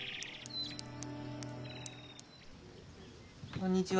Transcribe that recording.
こんにちは！